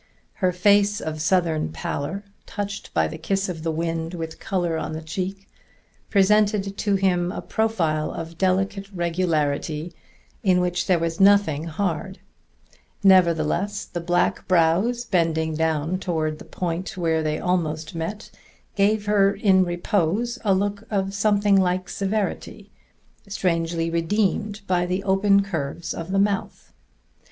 Her face of Southern pallor, touched by the kiss of the wind with color on the cheek, presented to him a profile of delicate regularity in which there was nothing hard; nevertheless the black brows bending down toward the point where they almost met gave her in repose a look of something like severity, strangely redeemed by the open curves of the mouth.